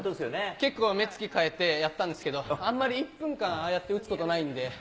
結構目つき変えてやったんですけど、あんまり１分間、ああやそうですか。